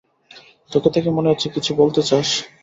তোকে দেখে মনে হচ্ছে কিছু বলতে চাস।